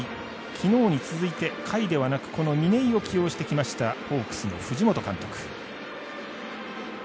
昨日に続いて、甲斐ではなく嶺井を起用してきましたホークスの藤本監督。